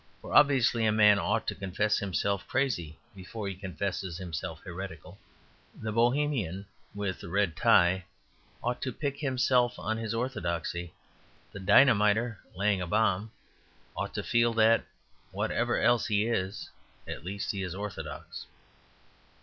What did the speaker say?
For obviously a man ought to confess himself crazy before he confesses himself heretical. The Bohemian, with a red tie, ought to pique himself on his orthodoxy. The dynamiter, laying a bomb, ought to feel that, whatever else he is, at least he is orthodox.